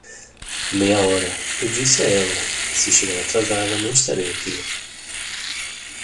Meia hora, eu disse a ela, e se chegar atrasada não estarei aqui.